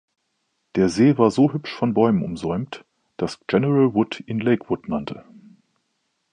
Der See war so hübsch von Bäumen umsäumt, dass General Wood ihn Lakewood nannte.